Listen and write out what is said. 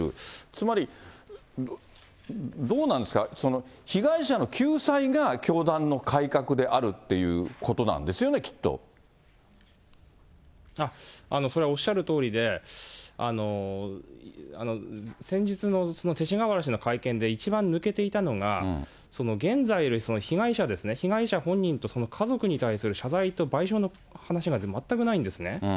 つまり、どうなんですか、被害者の救済が教団の改革であるっていうことなんですよね、きっそれはおっしゃるとおりで、先日の勅使河原氏の会見で、一番抜けていたのが、現在いる被害者ですね、被害者本人とその家族に対する謝罪と賠償の話が全くないんですね。